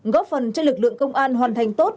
góp phần cho lực lượng công an hoàn thành tốt